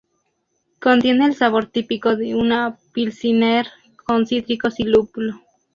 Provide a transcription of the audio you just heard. Contiene el sabor típico de una pilsener con cítricos y lúpulo.